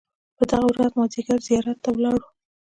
په دغه ورځ مازیګر زیارت ته ولاړو.